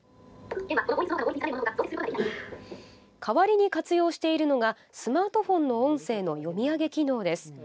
代わりに活用しているのがスマートフォンの音声の読み上げ機能です。